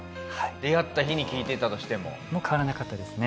出会った日に聞いてたとしても？も変わらなかったですね。